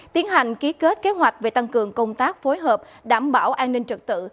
tiến hành ký kết kế hoạch về tăng cường công tác phối hợp đảm bảo an ninh trật tự